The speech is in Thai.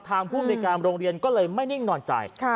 ทางผู้มีกรรมโรงเรียนก็เลยไม่นิ่งนอนใจ